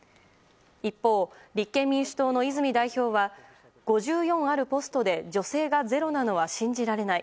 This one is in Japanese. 一方、立憲民主党の泉代表は５４あるポストで女性がゼロなのは信じられない。